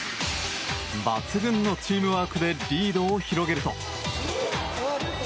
抜群のチームワークでリードを広げると。